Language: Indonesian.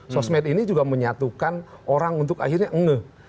sosmed ini juga menyatukan orang untuk akhirnya nge